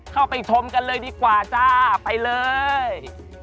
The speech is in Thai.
เข้าไปชมกันเลยดีกว่าจ้าไปเลย